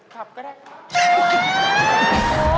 ครับก็ได้